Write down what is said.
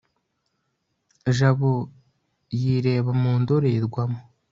jabo yireba mu ndorerwamo